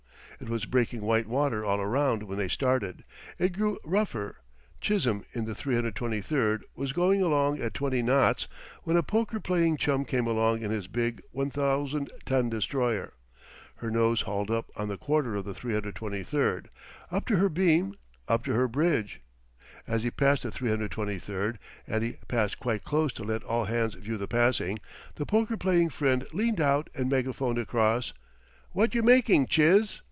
It was breaking white water all around when they started. It grew rougher. Chisholm in the 323 was going along at twenty knots when a poker playing chum came along in his big 1,000 ton destroyer. Her nose hauled up on the quarter of the 323; up to her beam; up to her bridge. As he passed the 323 and he passed quite close to let all hands view the passing the poker playing friend leaned out and megaphoned across: "What you making, Chiz?"